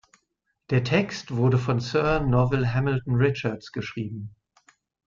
Der Text wurde von Sir Novelle Hamilton Richards geschrieben.